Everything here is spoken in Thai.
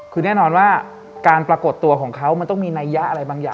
คือแน่นอนว่าการปรากฏตัวของเขามันต้องมีนัยยะอะไรบางอย่าง